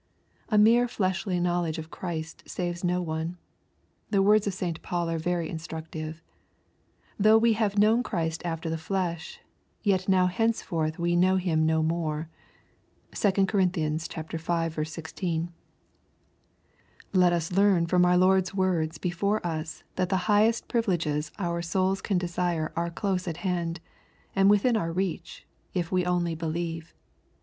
A mere fleshly knowledge of Christ saves no one. The words of St. Paul are very instructive :—•" Though we have known Christ after the flesh, yet now henceforth know we him no more." (2 Cor. v, 16.) Let us learn from our Lord's words before us that the highest privileges our souls can desire are close at hand, and within our reach, if we only belive.